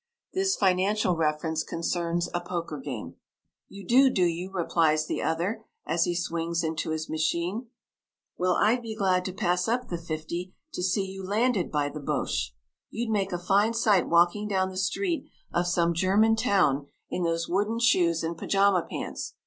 This financial reference concerns a poker game. "You do, do you?" replies the other as he swings into his machine. "Well, I'd be glad to pass up the fifty to see you landed by the Boches. You'd make a fine sight walking down the street of some German town in those wooden shoes and pyjama pants.